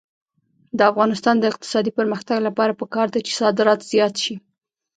د افغانستان د اقتصادي پرمختګ لپاره پکار ده چې صادرات زیات شي.